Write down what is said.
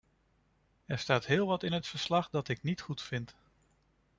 Er staat heel wat in het verslag dat ik niet goed vind.